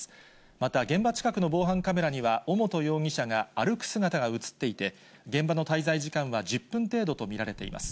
また、現場近くの防犯カメラには、尾本容疑者が歩く姿が写っていて、現場の滞在時間は１０分程度と見られています。